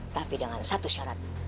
tapi dengan satu syarat